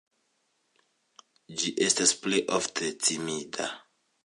Ĝi estas plej ofte timida.